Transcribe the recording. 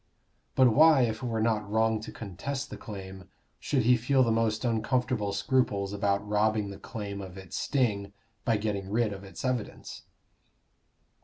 But why, if it were not wrong to contest the claim, should he feel the most uncomfortable scruples about robbing the claim of its sting by getting rid of its evidence?